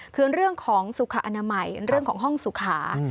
คือเรื่องของสุขอนามัยเรื่องของห้องสุขา